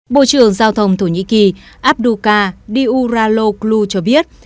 bộ trưởng giao thông thổ nhĩ kỳ abdouka diouraloglu cho biết